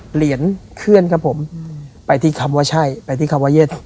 เหรียญเคลื่อนครับผมไปที่คำว่าใช่ไปที่คำว่าเย็ด